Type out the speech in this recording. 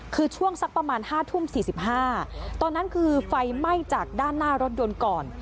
คือช่วงสักประมาณ๕ทุ่ม๔๕ตอนนั้นคือไฟไหม้จากด้านหน้ารถยนต์ก่อน